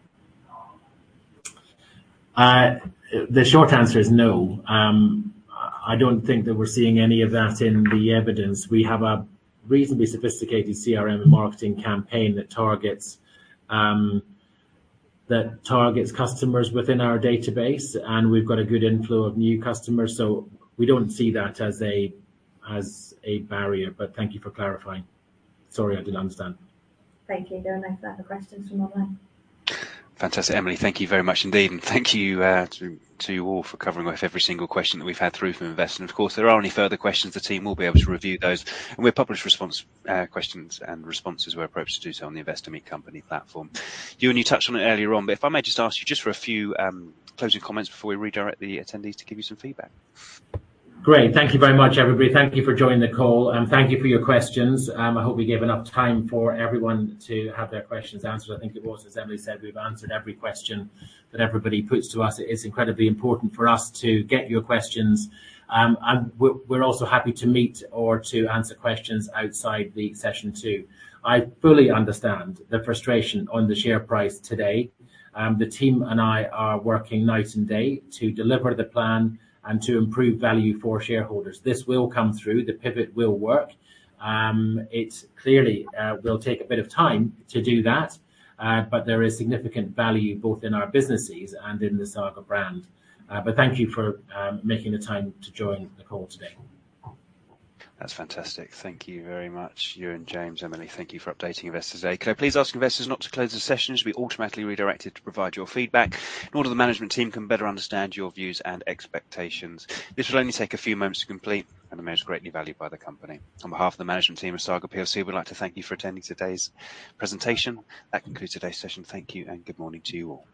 The short answer is no. I don't think that we're seeing any of that in the evidence. We have a reasonably sophisticated CRM and marketing campaign that targets customers within our database, and we've got a good inflow of new customers, so we don't see that as a barrier. Thank you for clarifying. Sorry, I didn't understand. Thank you. Euan, I don't have any other questions from online. Fantastic. Emily, thank you very much indeed. Thank you to you all for covering off every single question that we've had through from investors. Of course, if there are any further questions, the team will be able to review those. We'll publish questions and responses, if we're approached to do so on the Investor Meet Company platform. Euan, you touched on it earlier on, but if I may just ask you for a few closing comments before we redirect the attendees to give you some feedback. Great. Thank you very much, everybody. Thank you for joining the call, and thank you for your questions. I hope we gave enough time for everyone to have their questions answered. I think it was, as Emily said, we've answered every question that everybody puts to us. It is incredibly important for us to get your questions. We're also happy to meet or to answer questions outside the session too. I fully understand the frustration on the share price today. The team and I are working night and day to deliver the plan and to improve value for shareholders. This will come through. The pivot will work. It clearly will take a bit of time to do that, but there is significant value both in our businesses and in the Saga brand. Thank you for making the time to join the call today. That's fantastic. Thank you very much, Euan, James. Emily, thank you for updating investors today. Can I please ask investors not to close the session? You should be automatically redirected to provide your feedback in order that the management team can better understand your views and expectations. This will only take a few moments to complete and are most greatly valued by the company. On behalf of the management team of Saga plc, we'd like to thank you for attending today's presentation. That concludes today's session. Thank you, and good morning to you all.